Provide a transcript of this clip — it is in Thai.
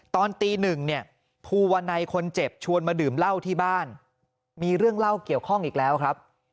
ตอนตีหนึ่งเนี่ยภูวนัยคนเจ็บชวนมาดื่มเหล้าที่บ้านมีเรื่องเล่าเกี่ยวข้องอีกแล้วครับ